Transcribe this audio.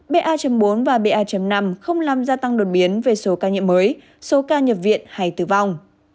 ba bốn và ba năm không làm gia tăng đột biến về số ca nhiễm mới số ca nhập viện hay tử vong